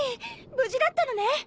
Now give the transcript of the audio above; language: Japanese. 無事だったのね！